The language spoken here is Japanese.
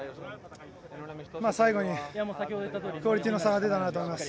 最後にクオリティーの差が出たと思います。